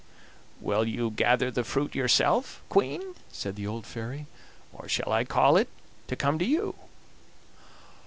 'Will you gather the fruit yourself, Queen?' said the old fairy, 'or shall I call it to come to you?